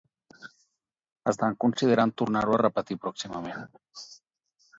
Estan considerant tornar-ho a repetir pròximament?